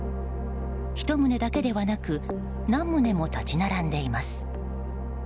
１棟だけではなく何棟も立ち並んでいます。